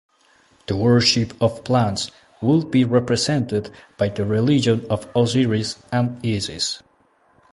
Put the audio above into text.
The worship of plants would be represented by the religion of Osiris and Isis.